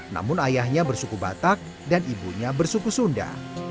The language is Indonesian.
namun ayahnya bersuku batak dan ibunya bersuku sunda